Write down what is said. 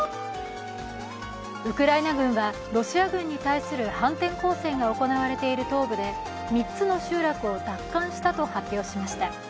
ウクライナ軍はロシア軍に対する反転攻勢が行われている東部で３つの集落を奪還したと発表しました。